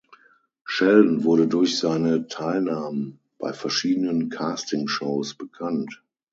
Sheldon wurde durch seine Teilnahmen bei verschiedenen Castingshows bekannt.